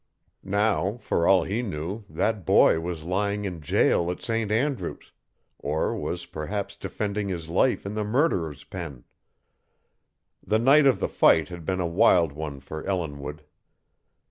Now, for all he knew, that boy was lying in jail at St. Andrew's, or was perhaps defending his life in the murderer's pen. The night of the fight had been a wild one for Ellinwood.